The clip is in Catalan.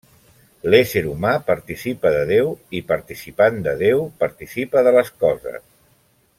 L'ésser humà participa de Déu i participant de Déu, participa de les coses.